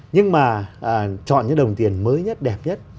nhưng mà chọn những đồng tiền mới nhất đẹp nhất